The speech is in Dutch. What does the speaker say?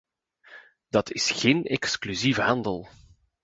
Dat is geen exclusieve handel.